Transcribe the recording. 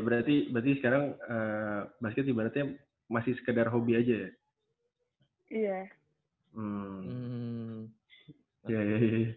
berarti sekarang basket ibaratnya masih sekedar hobi aja ya